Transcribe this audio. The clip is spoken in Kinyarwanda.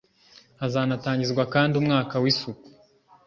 hazanatangizwa kandi umwaka w’isuku